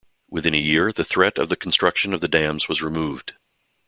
Within a year, the threat of the construction of the dams was removed.